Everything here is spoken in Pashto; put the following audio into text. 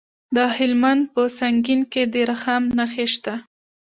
د هلمند په سنګین کې د رخام نښې شته.